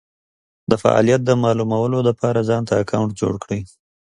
دفعالیت د مالومولو دپاره ځانته اکونټ جوړ کړی